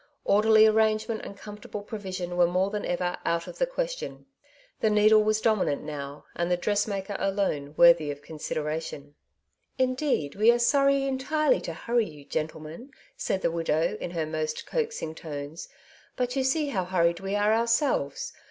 Orderly arrangement and comfortable provision were more than ever out of the question. The needle was dominant now, and the dressmaker alone worthy of consideration. " Indeed we are sorry entirely to hurry you, gentle N 2 \ 1 80 " Tzvo Sides to every Question^ men,'' said the widow in her most coaxings tones, '^but you see how hurried we are ourselves.